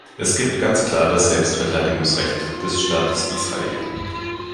Es gibt ganz klar das Selbstverteidigungsrecht des Staates Israel.